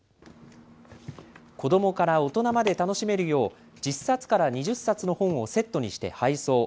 子どもから大人まで楽しめるよう、１０冊から２０冊の本をセットにして配送。